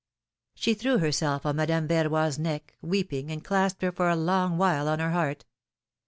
She threw herself on Madame Verroy's neck, weeping, and clasped her for a long while on her heart.